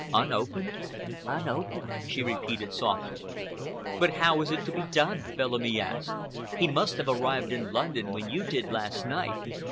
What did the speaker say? "Unopened?" "Unopened," she repeated, softly. "But how is it to be done?" Bellamy asked. "He must have arrived in London when you did last night.